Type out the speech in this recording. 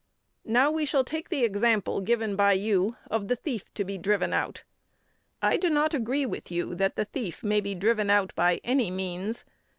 Now we shall take the example given by you of the thief to be driven out. I do not agree with you that the thief may be driven out by any means.